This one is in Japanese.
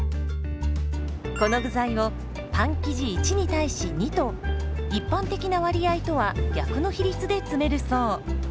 この具材をパン生地１に対し２と一般的な割合とは逆の比率で詰めるそう。